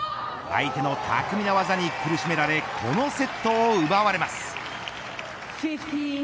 相手の巧みな技に苦しめられこのセットを奪われます。